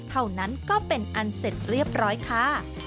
เท่านั้นก็เป็นอันเสร็จเรียบร้อยค่ะ